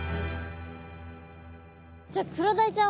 じゃあクロダイちゃん